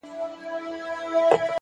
هره ستونزه نوی مهارت زېږوي,